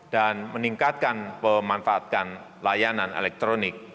dan meningkatkan pemanfaatan layanan elektronik